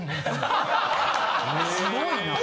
すごいな。